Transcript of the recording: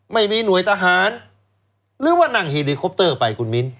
ไม่มีหน่วยทหารหรือว่านั่งเฮลิคอปเตอร์ไปคุณมิ้น